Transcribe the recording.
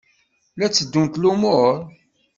La tteddunt lumuṛ?